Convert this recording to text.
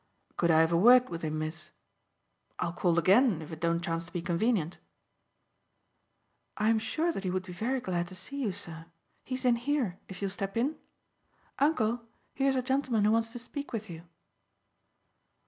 "Could I have a word with him, miss? I'll call again if it don't chance to be convenient." "I am sure that he would be very glad to see you, sir. He's in here, if you'll step in. Uncle, here's a gentleman who wants to speak with you."